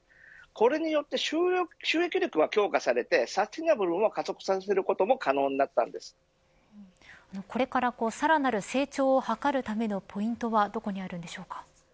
これによって収益力は強化されてサステナブルも加速させることがこれからさらなる成長を図るためのポイントはどこにあるんでしょうか。